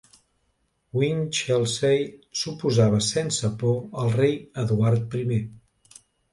Winchelsey s'oposava sense por al rei Eduard Primer.